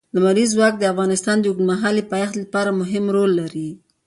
لمریز ځواک د افغانستان د اوږدمهاله پایښت لپاره مهم رول لري.